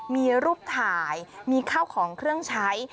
มีรูปถ่ายมีข้าวของเครื่องใช้